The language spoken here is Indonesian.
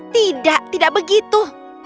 tidak tidak begitu